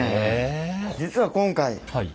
実は今回ん？